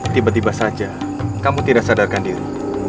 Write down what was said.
tiba tiba saja kamu tidak sadarkan diri